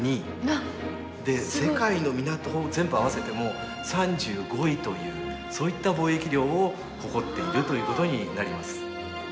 世界の港を全部合わせても３５位というそういった貿易量を誇っているということになります。